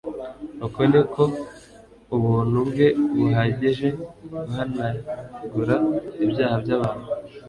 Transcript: Uko niko ubuntu bwe buhagije guhanagura ibyaha by'abantu,